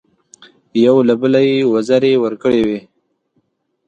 یو له بله یې وزرې ورکړې وې.